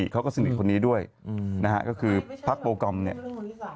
เขาก็สนิทคนนี้ด้วยนะฮะก็คือพักโปรกรรมเนี่ย